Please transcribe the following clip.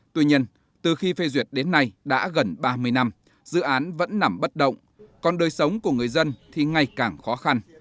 tuy nhiên từ khi phê duyệt đến nay đã gần ba mươi năm dự án vẫn nằm bất động còn đời sống của người dân thì ngày càng khó khăn